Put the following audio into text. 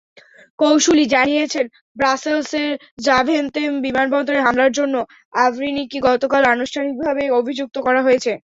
কৌঁসুলি জানিয়েছেন, ব্রাসেলসের জাভেনতেম বিমানবন্দরে হামলার জন্য আবরিনিকে গতকাল আনুষ্ঠানিকভাবে অভিযুক্ত করা হয়েছে।